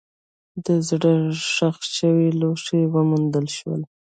د زرو ښخ شوي لوښي وموندل شول.